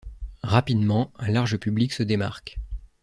Rapidement un large public se démarque.